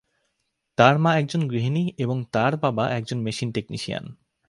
তাঁর মা একজন গৃহিণী এবং তাঁর বাবা একজন মেশিন টেকনিশিয়ান।